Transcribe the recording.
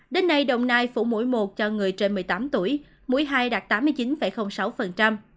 đến nay đồng nai phủ mũi một cho người trên một mươi tám tuổi mũi hai đạt tám mươi chín sáu